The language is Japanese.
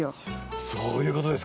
そういうことですか。